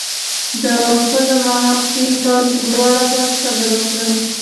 دا واښه زما حق دی تاسو دواړه باید صبر وکړئ.